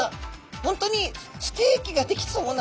本当にステーキができそうな。